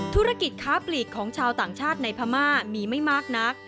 ธุรกิจค้าปลีกของชาวต่างชาติในพม่ามีไม่มากนัก